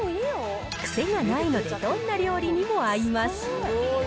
癖がないのでどんな料理にも合います。